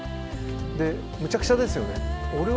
でむちゃくちゃですよね。